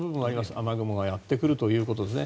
雨雲がやってくるということですね。